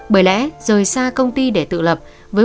bởi lẽ rời xa công ty để tự lập